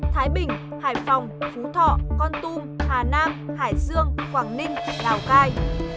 thái bình hải phòng phú thọ con tum hà nam hải dương quảng ninh lào cai